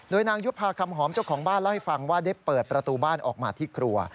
นางยุภาคำหอมเจ้าของบ้านเล่าให้ฟังว่าได้เปิดประตูบ้านออกมาที่ครัว